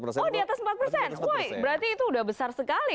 berarti itu udah besar sekali